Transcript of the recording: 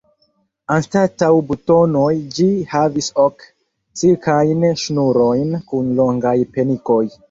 Anstataŭ butonoj ĝi havis ok silkajn ŝnurojn kun longaj penikoj.